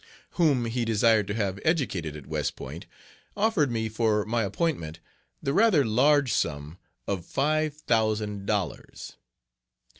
whom he desired to have educated at West Point, offered me for my appointment the rather large sum of five thousand dollars.